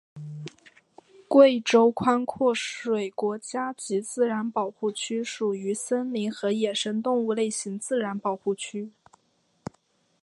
贵州宽阔水国家级自然保护区属于森林和野生动物类型自然保护区。